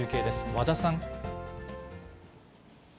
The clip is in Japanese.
和田さん。